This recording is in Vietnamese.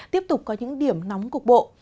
tiếp tục có những điểm nóng cục bộ